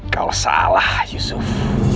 kau salah yusuf